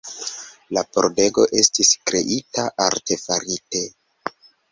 La pordego estis kreita artefarite.